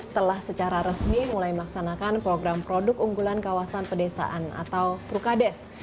telah secara resmi mulai melaksanakan program produk unggulan kawasan pedesaan atau prukades